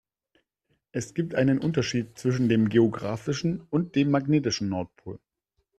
Es gibt einen Unterschied zwischen dem geografischen und dem magnetischen Nordpol.